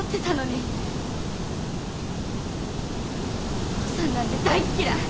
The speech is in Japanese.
お母さんなんて大嫌い。